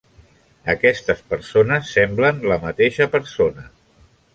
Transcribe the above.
Aquestes persones semblen la mateixa persona.